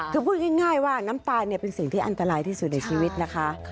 คือพูดง่ายว่าน้ำตาลเป็นสิ่งที่อันตรายที่สุดในชีวิตนะคะ